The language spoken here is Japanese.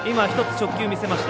直球を見せました。